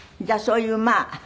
じゃあそういうまあ